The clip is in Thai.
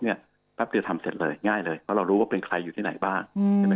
แป๊บเดียวทำเสร็จเลยง่ายเลยเพราะเรารู้ว่าเป็นใครอยู่ที่ไหนบ้าง